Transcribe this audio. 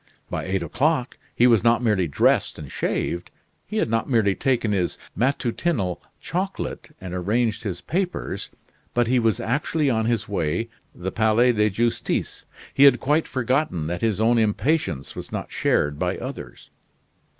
By eight o'clock he was not merely dressed and shaved, he had not merely taken his matutinal chocolate and arranged his papers, but he was actually on his way to the Palais de Justice. He had quite forgotten that his own impatience was not shared by others.